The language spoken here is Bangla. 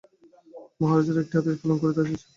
মহারাজার একটি আদেশ পালন করিতে আসিয়াছি।